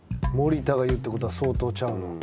森田が言うってことは相当ちゃうの？